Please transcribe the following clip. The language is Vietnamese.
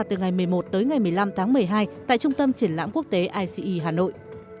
từ ngày một mươi một tới ngày một mươi năm tháng một mươi hai tại trung tâm triển lãm quốc tế ice hà nội